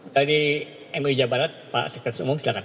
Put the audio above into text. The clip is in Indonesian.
dari mui jabarat pak sekretaris umum silahkan